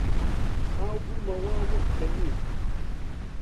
خاو بوومەوە وەک بەنی